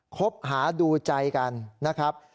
คบหาดูใจกันนะครับ